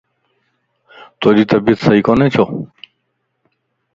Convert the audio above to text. توجي طبيعت صحيح ڪوني ڇو؟